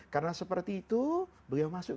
karena seperti itu beliau masuk